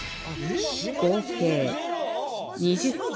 合計２０点